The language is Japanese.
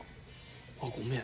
あっごめん。